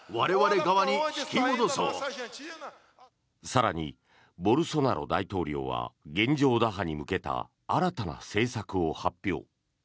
更に、ボルソナロ大統領は現状打破に向けた新たな政策を発表。